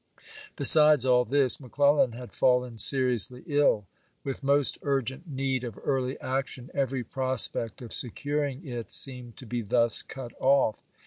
Besides all this, McClel lan had fallen seriously ill. With most urgent need of early action, every prospect of securing it seemed to be thus cut off.